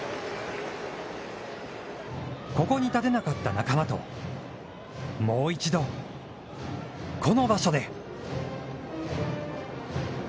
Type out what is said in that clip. ここに立てなかった仲間と、もう一度、この場所で。